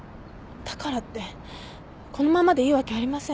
だからってこのままでいいわけありません。